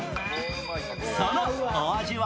そのお味は